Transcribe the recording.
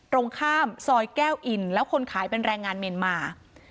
ตรงข้ามซอยแก้วอินแล้วคนขายเป็นแรงงานเมียนมา